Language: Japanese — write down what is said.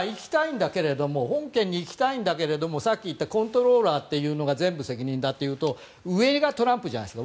本件に行きたいんだけれどもさっき言ったコントローラーというのが全部責任だというと上がトランプじゃないですか。